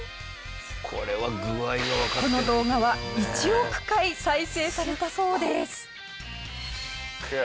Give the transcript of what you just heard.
この動画は１億回再生されたそうです。